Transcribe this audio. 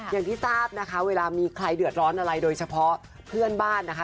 อย่างที่ทราบนะคะเวลามีใครเดือดร้อนอะไรโดยเฉพาะเพื่อนบ้านนะคะ